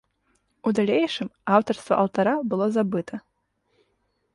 У далейшым аўтарства алтара было забыта.